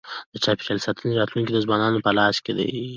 د چاپېریال ساتنې راتلونکی د ځوانانو په لاس کي دی.